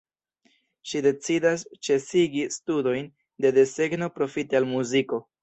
Ŝi decidas ĉesigi studojn de desegno profite al muziko.